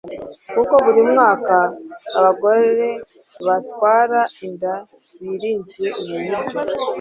kuko buri mwaka abagorebatwara inda biringiye ubu buryo